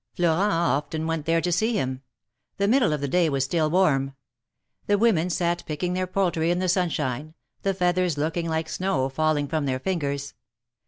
Florent often went there to see him. The middle of the day was still warm. The women sat picking their poultry in the sunshine — the feathers looking like snow falling from their fingers.